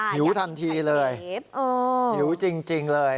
หิวทันทีเลยหิวจริงเลย